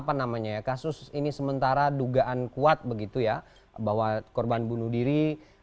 apa namanya ya kasus ini sementara dugaan kuat begitu ya bahwa korban bunuh diri